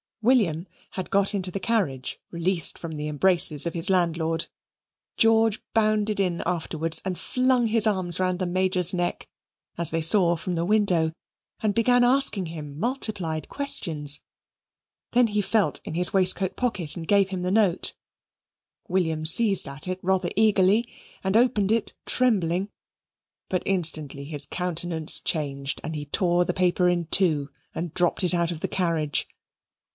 William had got into the carriage, released from the embraces of his landlord. George bounded in afterwards, and flung his arms round the Major's neck (as they saw from the window), and began asking him multiplied questions. Then he felt in his waistcoat pocket and gave him a note. William seized at it rather eagerly, he opened it trembling, but instantly his countenance changed, and he tore the paper in two and dropped it out of the carriage.